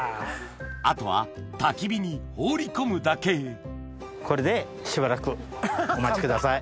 あとはたき火に放り込むだけこれでしばらくお待ちください。